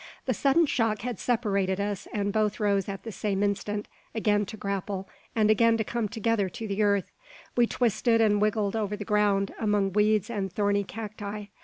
The sudden shock had separated us, and both rose at the same instant, again to grapple, and again to come together to the earth. We twisted and wriggled over the ground, among weeds and thorny cacti.